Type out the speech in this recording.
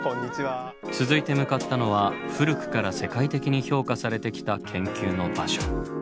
続いて向かったのは古くから世界的に評価されてきた研究の場所。